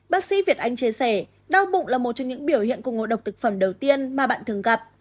bác sĩ việt anh chia sẻ đau bụng là một trong những biểu hiện của ngộ độc thực phẩm đầu tiên mà bạn thường gặp